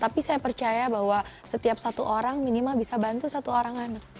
tapi saya percaya bahwa setiap satu orang minimal bisa bantu satu orang anak